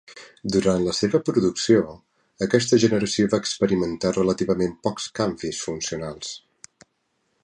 Durant la seva producció, aquesta generació va experimentar relativament pocs canvis funcionals.